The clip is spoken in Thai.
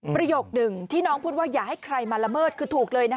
ประโยคหนึ่งที่น้องพูดว่าอย่าให้ใครมาละเมิดคือถูกเลย